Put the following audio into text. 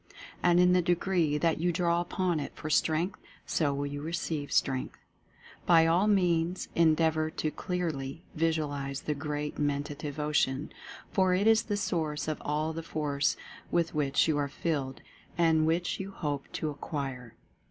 And in the degree that you draw upon it for Strength, so will you receive Strength. By all means endeavor to clearly visualize this Great Men tative Ocean, for it is the source of all the Force with which you are filled and which you hope to ac quire.